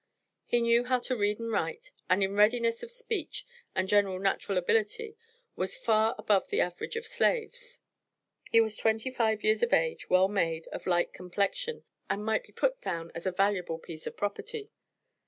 He knew how to read and write, and in readiness of speech and general natural ability was far above the average of slaves. He was twenty five years of age, well made, of light complexion, and might be put down as a valuable piece of property.